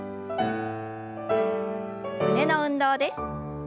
胸の運動です。